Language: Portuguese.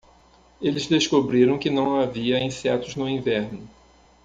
Eles descobriram que não havia insetos no inverno.